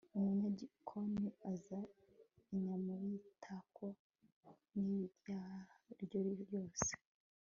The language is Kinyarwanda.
umunyagikoni azana inyama y'itako n'ibyaryo byose